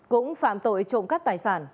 cũng phạm tội trộm cắp tài sản